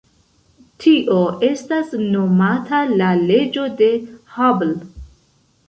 Tio estas nomata la leĝo de Hubble.